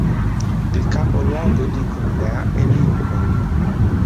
Il capoluogo di contea è Lincoln.